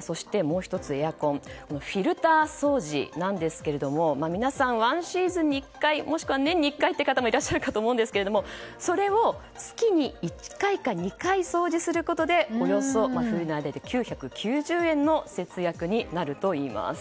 そして、もう１つエアコンフィルター掃除なんですけれども皆さん、ワンシーズンに１回もしくは年に１回という方もいらっしゃると思うんですがそれを月に１回か２回掃除することでおよそ冬の間で９９０円の節約になるといいます。